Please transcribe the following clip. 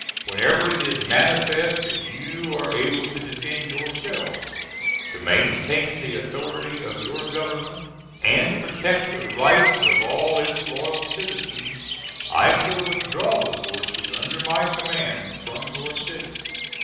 Whenever it is manifest that you are able to defend yourselves, to maintain the authority of your Government, and protect the rights of all its loyal citizens, I shall withdraw the forces under my command from your city.